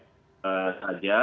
kita buat di senayan bang vito